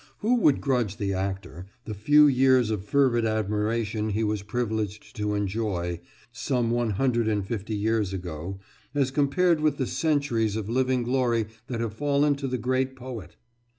Who would grudge the actor the few years of fervid admiration he was privileged to enjoy, some one hundred and fifty years ago, as compared with the centuries of living glory that have fallen to the great poet?